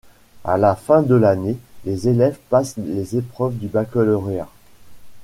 À la fin de l’année, les élèves passent les épreuves du baccalauréat.